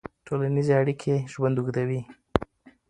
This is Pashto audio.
ټولنیزې اړیکې ژوند اوږدوي.